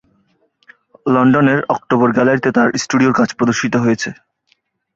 লন্ডনের October gallery তে তাঁর স্টুডিওর কাজ প্রদর্শিত হয়েছে।